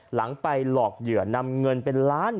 หลังไปหลอกเหยื่อนำเงินเป็นล้าน